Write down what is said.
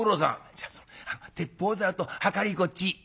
「じゃあその鉄砲ざるとはかりこっち」。